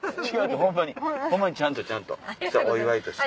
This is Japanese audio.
ホンマにちゃんとちゃんとお祝いとして。